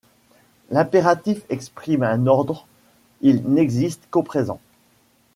L'impératif exprime un ordre, il n'existe qu'au présent.